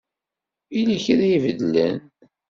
Yella kra i ibeddlen?